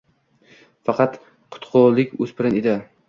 Faqat qutiulug‘lik o‘spirin edi